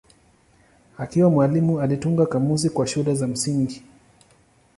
Akiwa mwalimu alitunga kamusi kwa shule za msingi.